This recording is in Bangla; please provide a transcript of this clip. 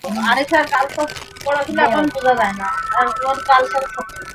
সুতরাং মনকে সংযত করিবার জন্য আমাদিগকে প্রথমে এই ইন্দ্রিয়গুলিকে সংযত করিতে হইবে।